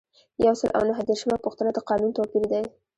یو سل او نهه دیرشمه پوښتنه د قانون توپیر دی.